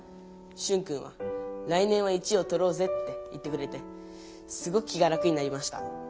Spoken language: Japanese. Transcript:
シュンくんは「来年は１位をとろうぜ」って言ってくれてすごく気が楽になりました。